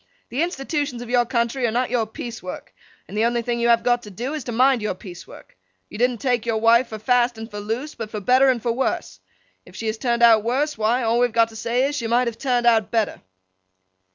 The institutions of your country are not your piece work, and the only thing you have got to do, is, to mind your piece work. You didn't take your wife for fast and for loose; but for better for worse. If she has turned out worse—why, all we have got to say is, she might have turned out better.